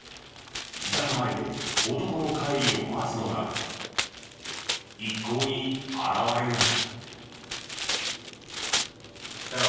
自宅前で男の帰りを待つのだが一向に現れない。